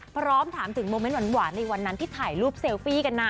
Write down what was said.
พร้อมถามถึงโมเมนต์หวานในวันนั้นที่ถ่ายรูปเซลฟี่กันนะ